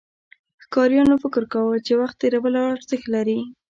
ښکاریانو فکر کاوه، چې وخت تېرول ارزښت لري.